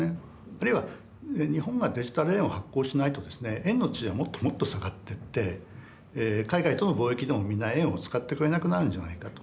あるいは日本がデジタル円を発行しないとですね円の地位はもっともっと下がってって海外との貿易でもみんな円を使ってくれなくなるんじゃないかと。